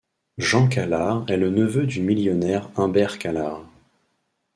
Jean Calard est le neveu du millionnaire Humbert Calard.